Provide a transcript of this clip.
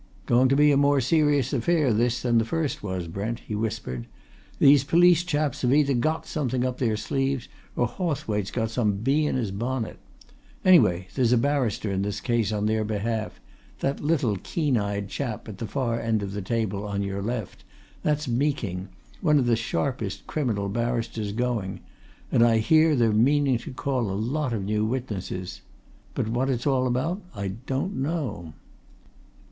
"Going to be a more serious affair, this, than the first was, Brent," he whispered. "These police chaps have either got something up their sleeves or Hawthwaite's got some bee in his bonnet! Anyway, there's a barrister in the case on their behalf that little, keen eyed chap at the far end of the table on your left; that's Meeking, one of the sharpest criminal barristers going and I hear they're meaning to call a lot of new witnesses. But what it's all about, I don't know."